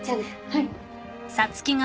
はい。